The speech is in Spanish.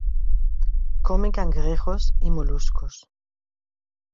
Come cangrejos y moluscos.